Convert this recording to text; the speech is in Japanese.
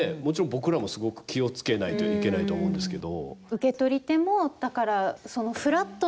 僕らもすごく気をつけないといけないと思うんですけど。